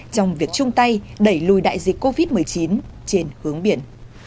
trong việc chung tay đẩy lùi đại dịch covid một mươi chín trên hướng biển